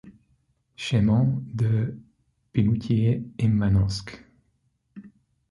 Chemin de Pimoutier in Manosque.